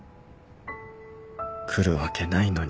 来るわけないのに